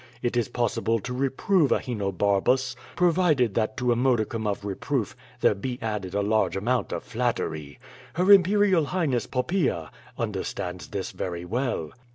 It is possible to reprove Ahenobarbus, provided that to a modicum of reproof there be added a large amount of flattery. Her Imperial Highness, Poppaea, understands this very well."